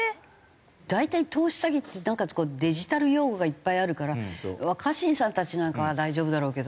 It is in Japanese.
大体投資詐欺ってなんかデジタル用語がいっぱいあるから若新さんたちなんかは大丈夫だろうけど。